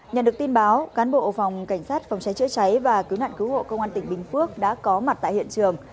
nhận được tin báo cán bộ phòng cảnh sát phòng cháy chữa cháy và cứu nạn cứu hộ công an tỉnh bình phước đã có mặt tại hiện trường